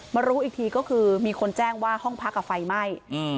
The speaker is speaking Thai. รู้อีกทีก็คือมีคนแจ้งว่าห้องพักไฟไหม้